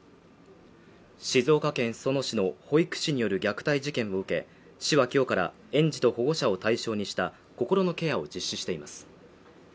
静岡県裾野市の保育士による虐待事件を受け市はきょうから園児と保護者を対象にした心のケアを実施しています